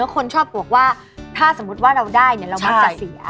คุณชอบบอกว่าถ้าสมมติได้เราก็จะเสีย